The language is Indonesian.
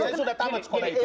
saya sudah tamat sekolah ini